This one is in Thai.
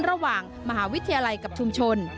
ระหว่างมหาวิทยาลัยกับชุมชน